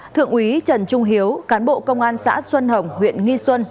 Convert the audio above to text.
thượng úy trần trung hiếu cán bộ công an xã xuân hồng huyện nghi xuân